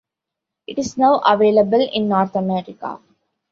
It is now available in North America.